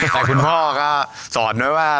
แต่คุณพ่อก็สอนไว้ว่า